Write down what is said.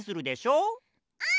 うん！